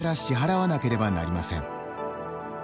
今月から支払わなければなりません。